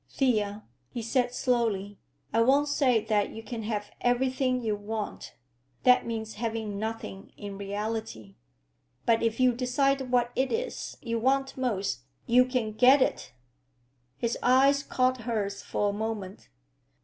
"Thea," he said slowly, "I won't say that you can have everything you want—that means having nothing, in reality. But if you decide what it is you want most, you can get it." His eye caught hers for a moment.